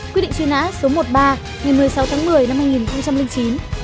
quyết định truy nã số một mươi ba hình hùng một mươi tháng một mươi năm hai nghìn chín